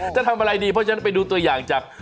จะทำอะไรดีเพราะฉะนั้นไปดูตัวอย่างจาก